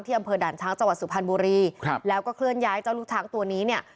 อำเภอด่านช้างจังหวัดสุพรรณบุรีครับแล้วก็เคลื่อนย้ายเจ้าลูกช้างตัวนี้เนี่ย